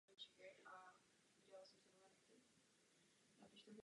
V moderní společnosti je nástrojem každodenního života.